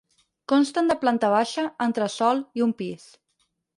Consten de planta baixa, entresòl i un pis.